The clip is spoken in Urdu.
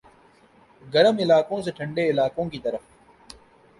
گرم علاقوں سے ٹھنڈے علاقوں کی طرف